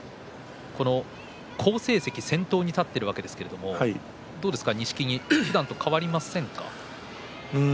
好成績、先頭に立っているわけですが錦木、ふだんと変わりませんか？